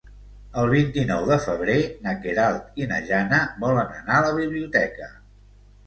El vint-i-nou de febrer na Queralt i na Jana volen anar a la biblioteca.